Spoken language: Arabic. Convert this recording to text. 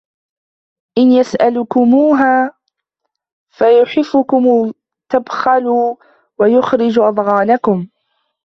إِنْ يَسْأَلْكُمُوهَا فَيُحْفِكُمْ تَبْخَلُوا وَيُخْرِجْ أَضْغَانَكُمْ